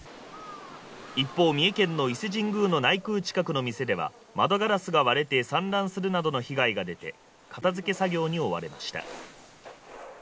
一方三重県の伊勢神宮の内宮近くの店では窓ガラスが割れて散乱するなどの被害が出て片付け作業に追われました。